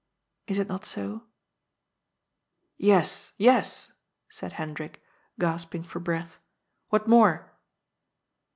Is it not so ?"" Yes, yes," said Hendrik, gasping for breath. " What more